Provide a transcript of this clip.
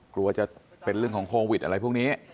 กลัวจะเป็นเรื่องของโควิดอะไรพวกนี้